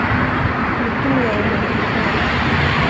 Mycket mer än man kan kräva.